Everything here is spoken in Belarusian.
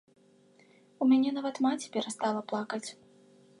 У мяне нават маці перастала плакаць.